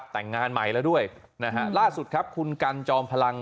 แต่งงานใหม่แล้วด้วยนะฮะล่าสุดครับคุณกันจอมพลัง